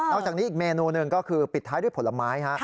จากนี้อีกเมนูหนึ่งก็คือปิดท้ายด้วยผลไม้